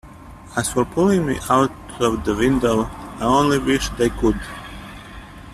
As for pulling me out of the window, I only wish they could!